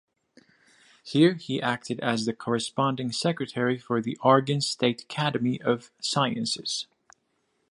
Here, he acted as the corresponding secretary for the Oregon State Academy of Sciences.